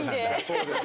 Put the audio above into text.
そうですね。